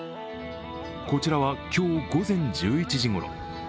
こちらは今日午前１１時ごろ。